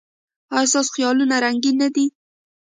ایا ستاسو خیالونه رنګین نه دي؟